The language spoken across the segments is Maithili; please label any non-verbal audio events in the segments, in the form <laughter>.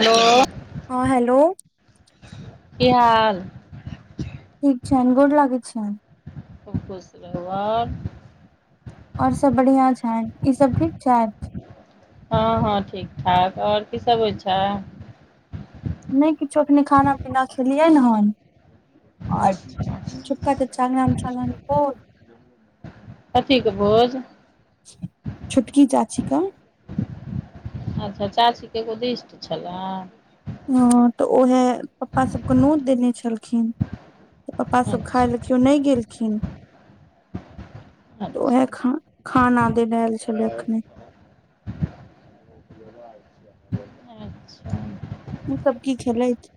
हैलो हँ हैलो की हाल ठीक छैन गोर लागै छियैन खूब खुश रहु और और सब बढ़िया छनि ई सब ठीक छैथ हँ हँ ठीक ठाक आउर की सब होइ छै नहि किछु अखने खाना पीना खेलियनि हन् आउर क च् <unintelligible> ग च् कोन कथीे के भोज छोटकी चाची क अच्छा चाचीके एगोदिस्ट छलनि ह तऽ उएहे पप्पा सबके नोत देने छलखिन तऽ पप्पा सब खाय अच्छा ले केओ नहि गेल खिन त ओहे अच्छा ख खाना दै लै आयल छलै अखने अच्छा ई सब की खेलैथ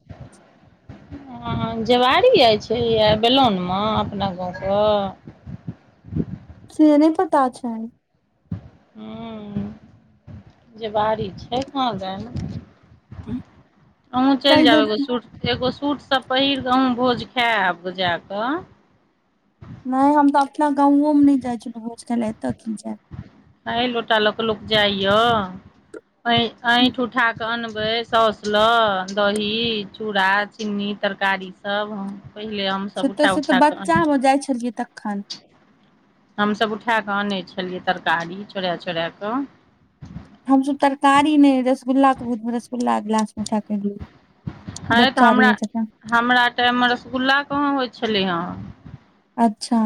ह जेवारी आइ छलैया आ बेलौन मे अपना गाँवके से नय पता छैन ह जेबाड़ी छै कहां दैन अँहु तै चलि जाउ एगो नहि सुट एगो सूट सब पहिर कऽ अहूँ भोज खायएब जाकऽ नय हम तऽ अपना गाँवो मे नय जाइ छलहुँ भोज खाय ल एतऽ की जाय अ लोटा लऽ क लोक जाइय हूँ ऐंठ उठाऽ ऽ अनबै सौस लऽ दही चूड़ा चिन्नी तरकारी सब हम पहिले हम से तऽ से तऽ बच्चा में जाइ छलियै तखन हमसब उठाए कऽ आनैत छलियै तरकारी चोड़ा चोड़ा कऽ हमसब तरकारी नय रसगुल्लाा के भोजमे रसगुल्ला गिलास मे उठा कर लहु हँ तऽ हमरा हमरा टाइम में रसगुल्ला कहाँ होइ छलै हँ अच्छा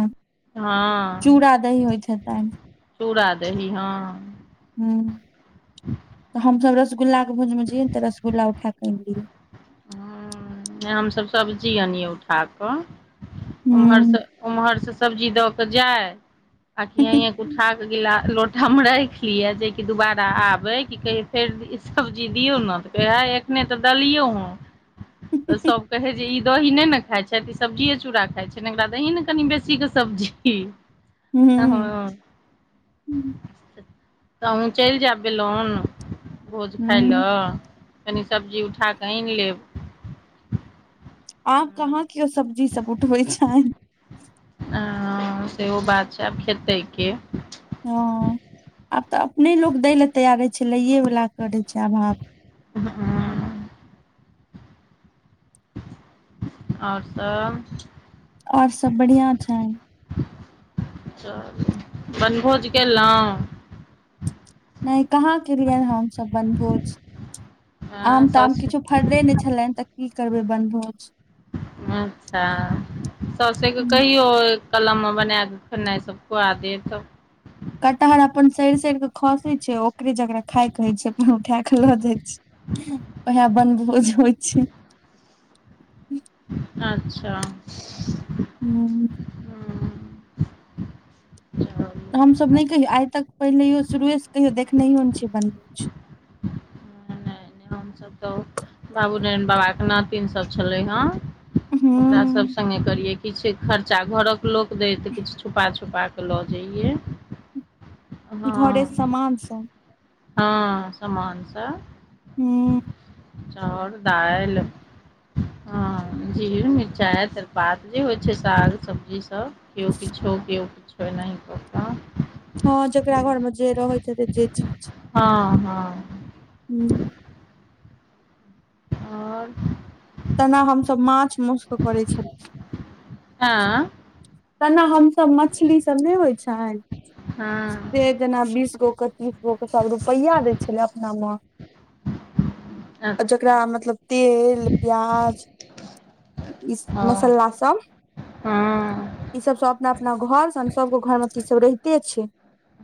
हँ चूड़ा दही होइत हेतैन चूड़ा दही हँ ह तऽ हमसब रसगुल्ला के भोज में जैयै तऽ रसगुल्ला उठाक के अनलियै हमसब सब्जी अनीयै उठा कऽ उम्हर हूँ से उम्हर से सब्जी दऽ कऽ जाइ आ की हियाँके उठाकऽ गिलास लोटा में राइख लियै जेकि दुबारा आबे कि कहै फेर सब्जी दियौ ने तऽ कहै है एखने तऽ देलियौ हँ <inaudible> तऽ सब कहै जे ई दही नय ने खाइ छथि ई सब्जि चूड़ा खाइ छै एकरा दही ने कनि बेसीके सब्जी की तहन चल जाबै बेलोन भोज खाय हूँ लए कनि सब्जी उठा कऽ आइन लेब आब कहाँ कियो सब्जी सब उठबै छै हं सेहो बात छै आब खेतै के हँ आब तऽ अपने लोक दै लए तैयार छै लैएवला करै छै अभाव आओर आउर सब और सब बढ़िया छैन बनभोज केलहुँ नय कहाँ केलियै हमसब बनभोज हँ आम ताम सासु किछ फड़ले नय छलैन तऽ की करबै बनभोज अच्छा सासे के कहियौ कलम में बनाकऽ खेनाइ सब खुआ देब कटहर अपन सड़ सड़ के खसे छै ओकरे जकरा खाय कहै छै अपन उठा के लऽ जाइ छै ओहै बनभोज होइ छै अच्छा हूँ चलू नहि तऽ हमसब नय कहियौ आइ तक पहिले हो शुरूएसँ कहियो देखनयो ने छै बनभोज हमस तऽ बाबू नारायन बाबा के नातिन सब छले हं हूँ सब संगे करिये किछु खर्चा घरोक लोक देत किछ छुपा छुपा कऽ लऽ जइयै हां घरे सामान सब हँ समान सब हूँ चाउर दाइल हँ जीर मिर्चाइ तेजपात जे होइ छै साग सब्जीसब किओ किछ क किओ किछ एनाहि कऽ कऽ हँ जेकरा घर में जे रहैत जे चीज हँ हँ हूँ आओर तेना हमसब माछ मसके करै छलियै आँ तेना हमसब मछली सब नय होइ छइन हँ से जेना बीस गो के तीस गो के सब रुपैया दै छलै अपना में <inaudible> जकरा मतलब तेल प्याज ई मसाला सब हां ई सब सब अपना अपना घर स सबके घर में ई सब रहिते छै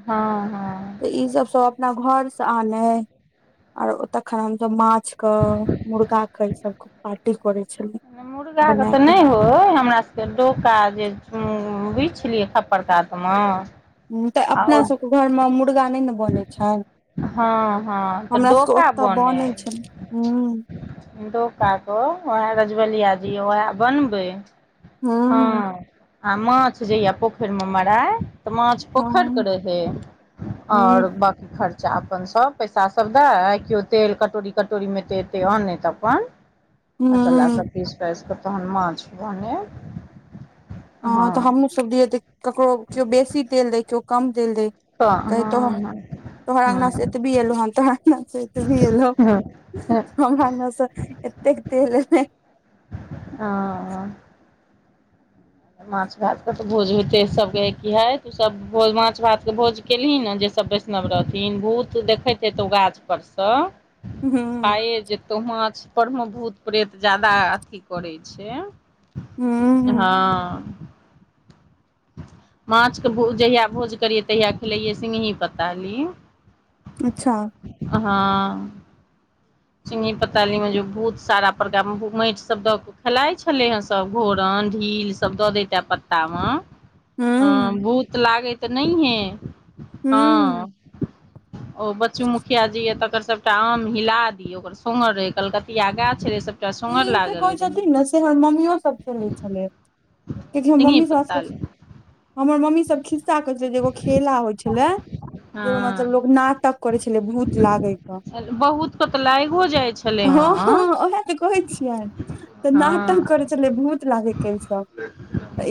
हँ हँ तऽ ई सब सब अपना घर से आनय आओर तखन हमसब माछ के मुर्गा के ई सब पार्टी कर छल मुर्गाके तऽ नय होय हमरा सब डोका जे बिछि लि खपड़ कात में ह तऽ अपनासबके घर में मुर्गा नय ने बनैत छइन हँ हँ तऽ डोका बने बनै छलै हूं पप्ताे वएह रजवलिया जी वएह बनबै हूं हँ आ माछ जे यए पोखरि में मराइ तऽ माछ पोखर के हँ रहे हूं आओर बकी खर्चा चाहा अपन सब पैसा सब दए केओ तेल कटोरी कटोरी में एतेक एतेक अन नहि तऽ अपन च हूं सब पीस फइस क तन मछ बने हँ तऽ हमहूँ सब दिय तऽ ककरो केओ बेसी तेल देै केओ कम तेल देै कह तो तोहरांगना सेत की एलु है तऽ <unintelligible> सत भी एलसँ देख द <unintelligible> ओ माछ भात के तऽ भोज होते सबके की है तू सब भोज माछ भात के भोज केलही ने जे सब वैष्णव रहथिन भूत देखैत हेतौ गाछ परसँ हूं खाये जेतो माछ पर मे भूत प्रेत ज्यादा अथी करै छै हूं हँ माछके भो जहियआ भोज करियै तहियआ खिलैयै सिङही प्ताली अच्छा हँ चिन्ंगी पताली में जे बहुत सारा प्रकार मे मइट सब द खेलइ छलै हे सब घोरन ढील सब दऽ दैते पत्ता में हँ हूं भूत लागैत तऽ नहिए हूं हँ ओ बच्चू मुखिया जी य तकर सबटा आम हिल ओकर सोहर रहे कलकतिया गाछ रहे सब ई जे कहे छथिन ने से हमर मम्मियो सब खेले छले कियाकि हमर सिंगही मम्मीसब पत्ताली सबके हमर मम्मीसब खिस्सा कहैत छलै जे एगो खेला होइत छलै जाहि में मतलब हँ लोक नाटक करै छलै भूत लागैके लागो जाइ छलै हँ तऽ कहै छियै तऽ न तक हँ करे छलय भूत लागे के ई सब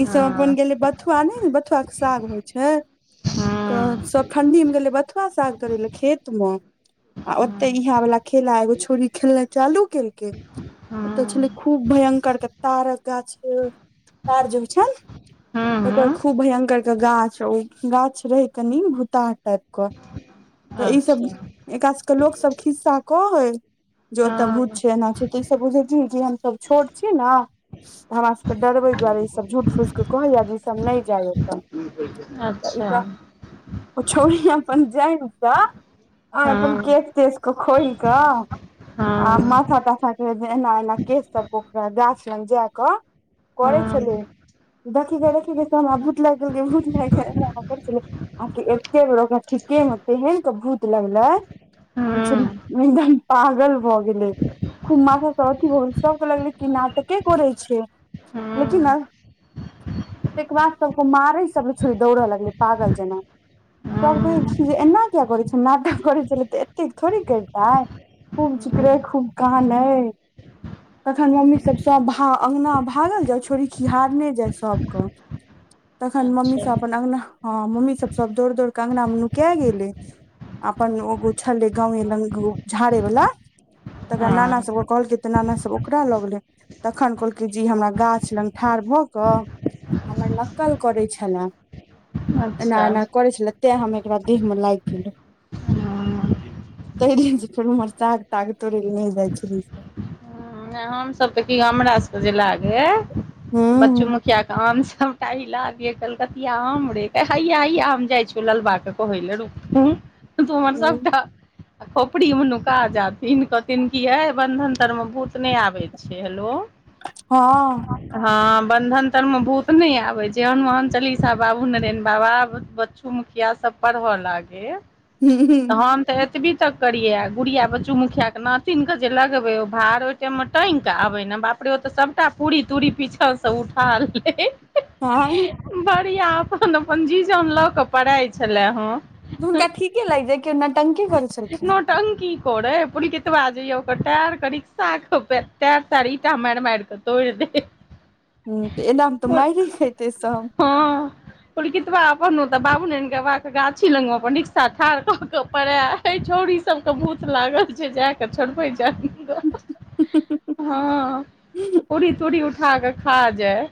ई सब अपन हँ गेलै बथुआ नय कथ के साग होइ छै हँ तऽ सब ठंडी मे गेलै बथुआ साग करे लए खेत में आ ओते इहा वला खेला एगो छोरी खेलना चालू केल हँ ओतऽ छलै खूब भयंकर कऽ तारक गाछ तरज छ ने हँ तऽ हँ खूब भयंकर के गाछ ओ गाछ रहे कनि भुताट टाइप क तऽ ई सब अच्छा एकरा सबके लोक सब खिस्सा कह हइ जे ओतय भूत हँ छै एना छै तऽ ईसब बुझै छीयय कि हमसब छोट छी ने तऽ हमरा सबके डरबै दुआरे ईसब झूठ फूसके कहैया जे ईसब नय जाइयतऽ अच्छा ओ छोरी अपन जाइ तऽ आ अपन हँ के तसक खोई कऽ आ हँ हँ मथा तथा एना एना केश सब ओकरा गाछ लग जा कऽ करै छलै हँ देखिके देखिके सोना भूत लाग गेल भूत लागै आ कि एते बेर ओकरा ठीके में तेहन के भूत लगले हँ अचुरी पगल भऽ गेलै खुम् मासा सब अथी भ सबके लगले कऽ नाटके करै छै लेकिन हँ तहिके बाद सब को मारै सब छोड़ी दौड़य लगलै पागल जेना सब कहै छै जे एना किया करै छल नादक करै छलै तऽ एतेक थोड़े करितै खूब जकरे खूब कान है तखन मम्मी सब सब भा अंगना भागल जाय छोड़री खिहारने जाय सबके <inaudible> तखन अच्छा मम्मीसब अपन अंगना हँ मम्मीसब सब दौड़ दौड़ कऽ अंगना मे नुका गेलै अपन ऐगो छलै गाँव लग झाड़े वला तकरा नाना हँ सबके कहलकै तऽ नाना सब ओकरा लग गेले तखन कहलकै जी हमरा गाछ लग ठाढ़ भऽ कऽ हमर नक्कल करै छलए एना अच्छा एना करै छलै तै हम एकरा देह में लागि गेलहु हँ तय दिन फेर साग साग तोड़ नइ जाइ छल हम सब तऽ की हमरा सबके जे लागे हूँ बच्चू मुखिया के आम सब लागे कलकतिया आम रे हैया हया हम जाइ छ ललबा के कहे ले रूक तुमहर हूँ सबटा खोपड़ी मेनुका जाथिन कहथिन की हे बंधन तर में बू नय आबै छियै हेलो हँ हँ बन्धन तर में भूत नय आबै हनुमान चलीसा बाबू नरेन बाबा ब पढ़ ह लागै हूँ हूँ तऽ एतबी तक करिय गुड़िया बच्चू मुखिया के नातिन के जे लगबे ओ भार टांयग केऽ आबे ने बाप रे ओ ते सबटा पूरी तुरी पीछा से उठा लय हँ बढ़िया अपन अपन जी जान लऽ के पड़इ छले हँ तऽ हुनका ठीके लाइग जाइ के ओ नॉटंकी करैत छलखिन टंगकी करेय पुल्कित्वा जे आ जाइया ओकर करिक साखपे <unintelligible> माइर माइर कऽ तोयार दे हुँ तऽ एनामे तऽ माईरे खेतै सब हँ पुल्कित्वा अपन ओतऽ बाबू नरायन बाबा केँ गाछी लग मऽ अपन रिक्सा ठार कऽ कऽ परैल एय छौड़ी सब केँ भूत लागल छै जाय केँ छोड़बे जाही गऽ हँ पूरी तूरी उठा कऽ खा जाय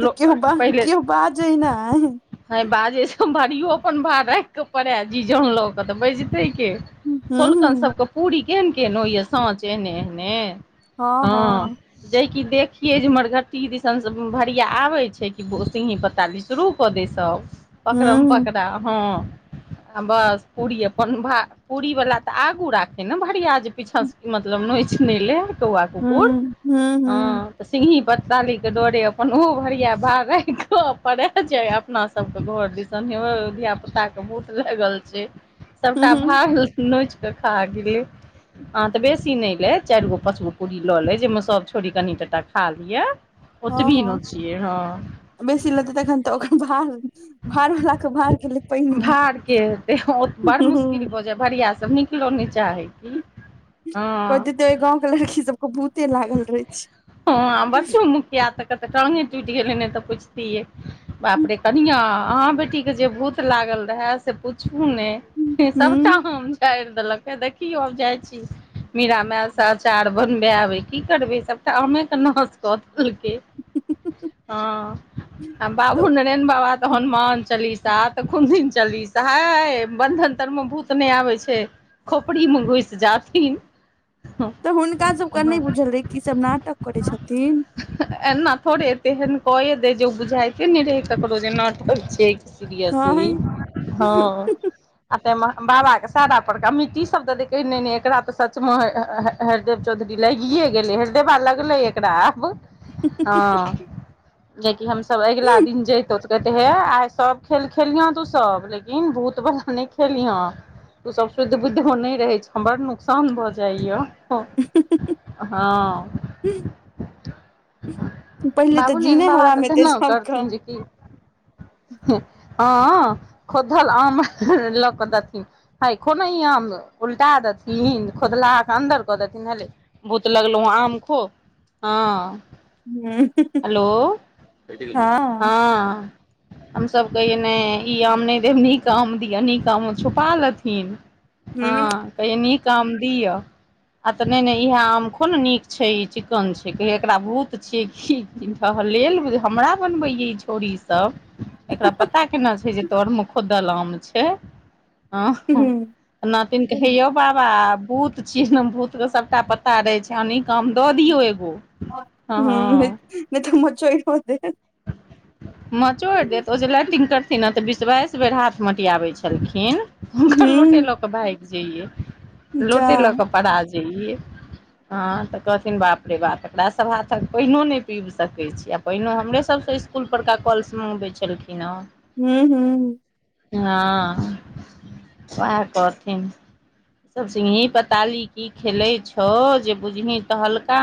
तऽ किओ ब किओ बाजै नै हँ बाजेसँ भरियो अपन भार राखि कऽ पड़य जी जान लऽ कऽ तऽ बैजतै केँ हँ सोलकन सभ हँ केँ पूरी केहन केहन होइय साँच एहने एहने ह हँ जेकि देखिये जे मरघट्टी दिसन भरिया आबे छै कि सिगहि पता शुरू कऽ दै सभ ह पकड़म ह पकड़ा हँ आ बस पूरी अपन भा पूरी बला तऽ आगू राख छै ने भरिआ जे पीछाँसँ मतलब नहि लेय कौआ कुकुर ह हँ ह तऽ सिंगही पतडाली केँ डरे अपन ओहो भरिया भार राखऽ कऽ पड़ै जाय अपना सबके घर दिसने हे हो धिया पुता केँ भूत लागल छै सभटा हँ भार नोच कऽ खा गेलै आ तऽ बेसी नहि लै चारि गो पाच गो पूड़ी लऽ ले जाहिमें सब छोड़ी कनि टाटा खा लिये ओतबी हँ नोचिये हँ बेसी लेतै तखत तऽ ओकर भार भार वला के भार गेलै पानि मे भारकेँ हेतै ओ बड़ मुश्किल भऽ जाय भरीया सब निकलऽ नहि चाहै की कहैत हँ हेतै ओहि गाँव केँ लड़की सब कऽ भूते लागल रहे हँ छै <unintelligible> तऽ टंगे टूटि गेलै ने तऽ पुछतिये बाप रे कनिया अहाँ बेटी केँ जे भूत लागल रहै से पुछू नहि सभटा ह आम झायर देलक हे देखियौ हम जाइ छी मीरा माय सँ अचार बनबैय एबै की करबे सबटा आमे कऽ नाश कऽ देलकै हँ आ तऽ बाबू नारायन बाबा तऽ हनुमान चालीसा तऽ कुन दिन चलीसा हाय बंधन तर मऽ भूत नहि आबै छै खोपड़ी मऽ घुसि जाथिन हँ तऽ हुनका सब कऽ नहि बुझल रहे की ई सब नाटक करै छथिन एना थोड़े एते एहन कए दै जे बुझाते नइ रहै ककरो जे नटक छै सिरियसली हँ आ तै मऽ बाबा केँ सारा परड़का मिट्टी सब द दै कहै नै नै एकरा तऽ सच मऽ हरदेव चौधरी लगिए गेलै हरदेवा लगलै एकरा आब हँ जेकि हमसभ अगिला दिन जे कहते हे आइ सब खेल खेलिह तू सब लेकिन भूत बला नहि खेलिहे त सब शुद्ध बुद्ध नहि रहे छै बड़ नुकसान भऽ जाइ य हँ हँ पहिले तऽ जीना हराम हेतै तेना सब कऽ करथिन जेकि हँ खोद्दल आम लऽ कऽ देथिन हइ खो नऽ ई आम उलटा देथिन खोदलाहा कऽ अन्दर कऽ देथिन हले भूत लगलहुँ हऽ आम खो हँ हेलो हँ हँ हमसभ कहियै नै ई आम नहि देब नीक आम दिअ नीक आम ओ छुपा लेथिन हूँ हँ कहिए नीका आम दि यऽ आ तऽ नय नय इएह आम खो ने नीक छै ई चिक्कन छै कहिय एकरा भूत छियै की ढहलेल हमरा बनबैे ई छोरी यब एकरा पता केना छै जे तर म खोदल आम छै हं नातिन कह हे यौ बाबा भूत छियै ने भूतके सबटा पता रहै छै आ न कऽम दऽ दियौ एगो हं हँ नय तऽ मचोइरो देत मचोड़ि देत ओ जे लाइटिंग करथिन ने तऽ बीस बाइस बेर हाथ मटियाबैत छलखिन हुनकर लोटे हूँ लऽ कऽ भाइग जइये जा लोटे लऽ कऽ पड़ा जइये हँ तऽ कहथिन बाप रे बाप एकरास सब हाथक पानिओ नहि पीब सकैत छी आ पानो हमरे सभ सबसँ इसकुल परका कलस मंगबय छलखिन हेँ हूँ हूँ हँ वएह कहथिन सब सिंही पताली की खेले छो जे बुझही तटहल्का